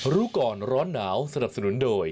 รู้ก่อนร้อนหนาวสนับสนุนโดย